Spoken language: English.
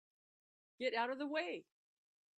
Get out of the way!